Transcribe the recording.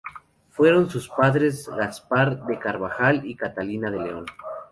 Fueron sus padres Gaspar de Carvajal y Catalina de León.